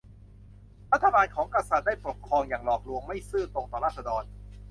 รัฐบาลของกษัตริย์ได้ปกครองอย่างหลอกลวงไม่ซื่อตรงต่อราษฎร